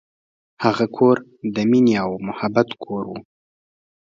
هغه کور د مینې او محبت کور و.